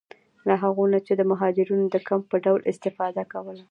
له هغو نه یې د مهاجرینو د کمپ په ډول استفاده کوله.